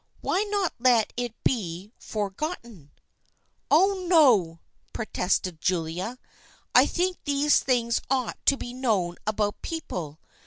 " Why not let it be for gotten ?"" Oh, no !" protested Julia. " I think those things ought to be known about people.